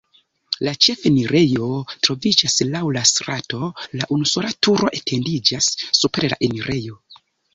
La ĉefenirejo troviĝas laŭ la strato, la unusola turo etendiĝas super la enirejo.